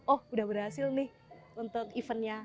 oh udah berhasil nih untuk eventnya